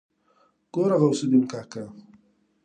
ګوره غوث الدين کاکا.